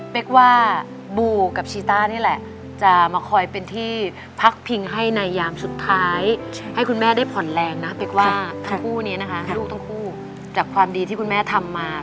เพราะว่าทั้งคู่เนี้ยนะคะค่ะลูกทั้งคู่จากความดีที่คุณแม่ทำมา